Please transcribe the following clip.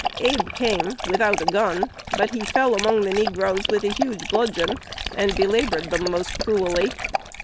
Abe came without a gun, but he fell among the negroes with a huge bludgeon, and belabored them most cruelly.